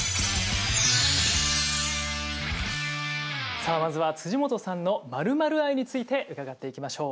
さあまずは本さんの〇〇愛について伺っていきましょう。